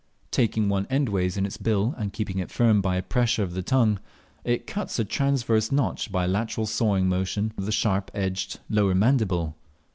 Taking one endways in its bill and keeping it firm by a pressure of the tongue, it cuts a transverse notch by a lateral sawing motion of the sharp edged lower mandible.